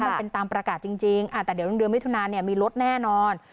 มันเป็นตามประกาศจริงแต่เดี๋ยวเดือนมิถุนาเนี่ยมีลดแน่นอน